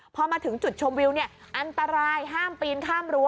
พอมาถึงจุดชมวิวอันตรายห้ามปีนข้ามรั้